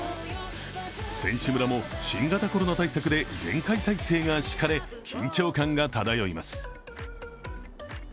選手村も新型コロナ対策で厳戒態勢が敷かれ緊張感が漂います。